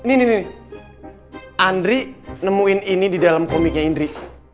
ini nih andri nemuin ini di dalam komiknya indri